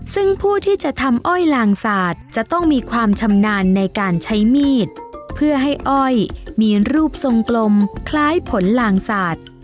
ซึ่งผู้ที่จะทำอ้อยลางสาดจะต้องมีความชำนาญในการใช้มีดเพื่อให้อ้อยมีรูปทรงกลมคล้ายผลลางสาด